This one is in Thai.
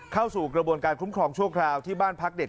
เข้าสู่กระบวนการคุ้มครองชั่วคราวที่บ้านพักเด็ก